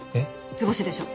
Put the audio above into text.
図星でしょ？